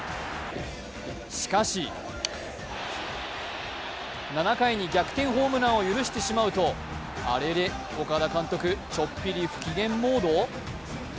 しかし７回に逆転ホームランを許してしまうとアレレ、岡田監督、ちょっぴり不機嫌モード？